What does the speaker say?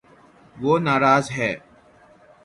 وہ ناراض ہے